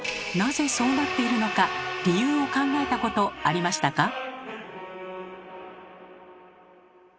なぜそうなっているのか理由を考えたことありましたか？